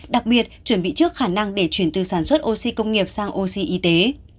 đặc biệt chuẩn bị trước khả năng để chuyển từ sản xuất oxy công nghiệp sang oxy y tế